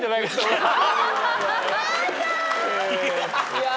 いや。